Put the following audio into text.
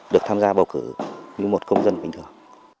được tham gia bầu cử như một công dân bình thường